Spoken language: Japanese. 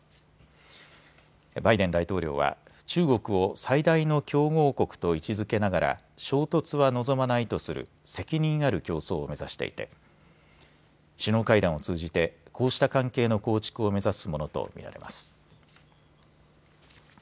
バイデン大統領は、中国を最大の競合国と位置づけながら衝突は望まないとする責任ある競争を目指していて首脳会談を通じてこうした関係の構築を目指すものと見られます。